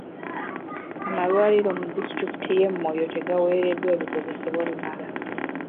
Amalwaliro mu disitulikiti y'e Moyo tegaweereddwa bikozesebwa bimala